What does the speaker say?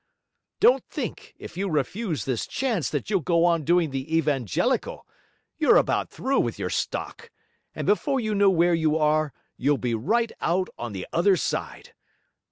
Don't think, if you refuse this chance, that you'll go on doing the evangelical; you're about through with your stock; and before you know where you are, you'll be right out on the other side.